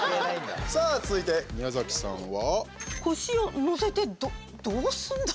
さあ、続いて宮崎さんは？